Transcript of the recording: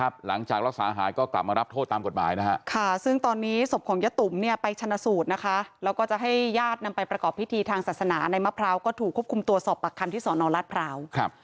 อาจารย์ต้องระวังนิดหนึ่งนะอาจารย์แกโอ้สบายแกว่าแกกลุ่มได้อยู่